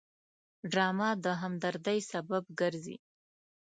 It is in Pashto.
ډرامه د همدردۍ سبب ګرځي